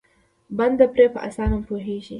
بنده پرې په اسانه پوهېږي.